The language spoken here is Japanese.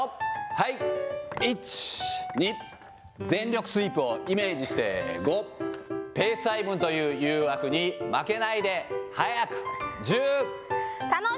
はい、１、２、全力スイープをイメージして、５、ペース配分という誘惑に負けないで、速く、１０。